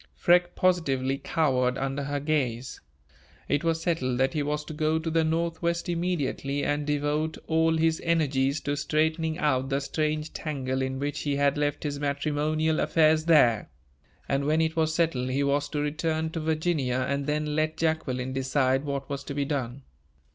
Freke positively cowered under her gaze. It was settled that he was to go to the Northwest immediately, and devote all his energies to straightening out the strange tangle in which he had left his matrimonial affairs there; and, when it was settled, he was to return to Virginia, and then let Jacqueline decide what was to be done.